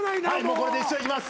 これで一生いきます。